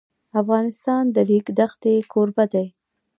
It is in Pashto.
افغانستان د د ریګ دښتې کوربه دی.